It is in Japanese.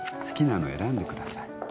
好きなの選んでください